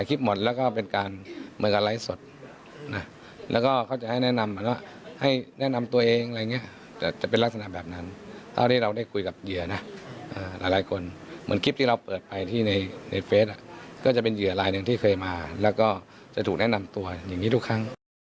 ก็จะเป็นเหยื่อลายหนึ่งที่เคยมาแล้วก็จะถูกแนะนำตัวอย่างงี้ทุกครั้ง